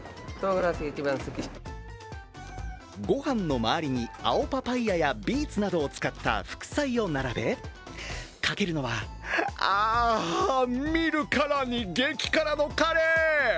御飯の周りに青パパイヤやビーツなどを使った副菜を並べかけるのは、見るからに激辛のカレー。